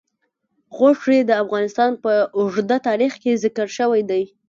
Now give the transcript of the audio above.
غوښې د افغانستان په اوږده تاریخ کې ذکر شوی دی.